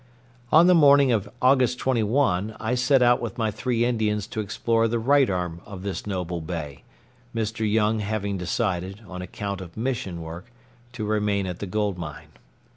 On the morning of August 21 I set out with my three Indians to explore the right arm of this noble bay, Mr. Young having decided, on account of mission work, to remain at the gold mine.